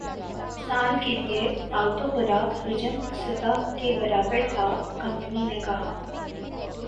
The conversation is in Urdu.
سال کے لیے پالتو خوراک حجم سطح کے برابر تھا کمپنی نے کہا